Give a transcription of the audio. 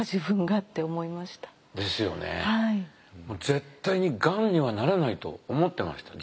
絶対にがんにはならないと思ってました